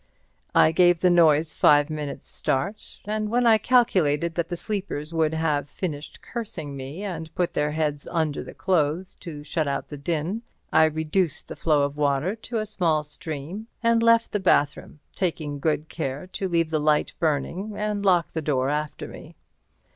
I gave the noise five minutes' start, and when I calculated that the sleepers would have finished cursing me and put their heads under the clothes to shut out the din, I reduced the flow of water to a small stream and left the bathroom, taking good care to leave the light burning and lock the door after me.